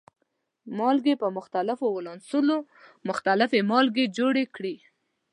مالګې په مختلفو ولانسونو مختلفې مالګې جوړې کړي.